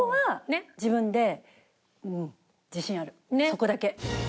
そこだけ。